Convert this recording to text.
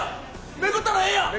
めくったらええやん！